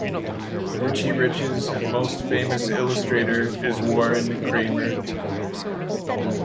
Richie Rich's most famous illustrator is Warren Kremer.